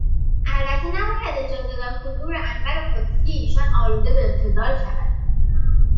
البته نباید اجازه داد حضور انور قدسی ایشان الوده به ابتذال شود